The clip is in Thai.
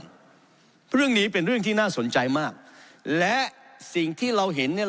เรื่องนี้เป็นเรื่องที่น่าสนใจมากและสิ่งที่เราเห็นเนี่ย